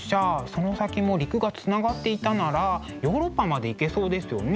その先も陸がつながっていたならヨーロッパまで行けそうですよね。